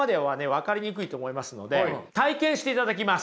分かりにくいと思いますので体験していただきます。